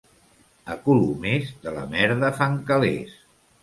A Colomers, de la merda fan calés.